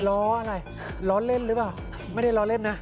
ล้ออะไรล้อเล่นหรือเปล่าไม่ได้ล้อเล่นนะ